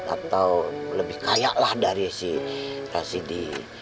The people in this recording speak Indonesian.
atau lebih kaya dari si rasidi